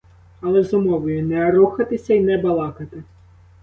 Але з умовою: не рухатися й не балакати.